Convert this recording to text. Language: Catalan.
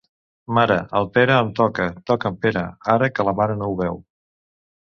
Mare, el Pere em toca! Toca'm, Pere, ara que la mare no ho veu.